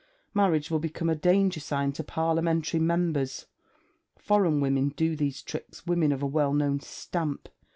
Marriage will become a danger sign to Parliamentary members. Foreign women do these tricks... women of a well known stamp.